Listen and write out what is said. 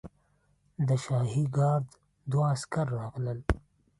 د شاهي ګارډ دوه عسکر راغلل.